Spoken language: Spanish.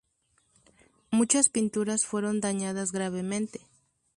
Muchas pinturas fueron dañadas gravemente.